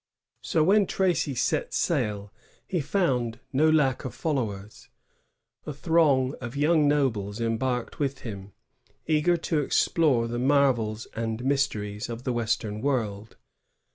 So, when Tracy set sail he found no lack of fol lowers. A throng of young nobles embarked with him, eager to explore the marvels and mysteries of the western world.